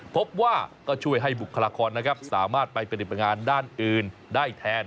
พบว่าก็ช่วยให้บุคลากรนะครับสามารถไปปฏิบัติงานด้านอื่นได้แทน